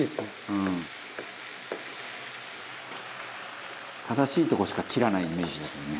「うん」「正しいとこしか切らないイメージだけどね